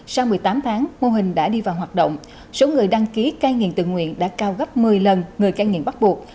sau một mươi tám tháng mô hình đã đi vào hoạt động số người đăng ký cai nghiện tự nguyện đã cao gấp một mươi lần người cai nghiện bắt buộc